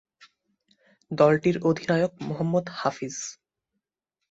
দলটির অধিনায়ক মোহাম্মদ হাফিজ।